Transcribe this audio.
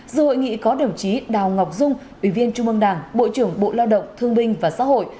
dự hội nghị có đồng chí đào ngọc dung ủy viên trung mương đảng bộ trưởng bộ lao động thương binh và xã hội